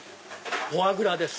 フォアグラです。